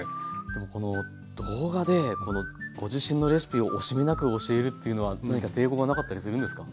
でもこの動画でご自身のレシピを惜しみなく教えるというのは何か抵抗がなかったりするんですか？